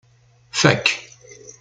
Fak.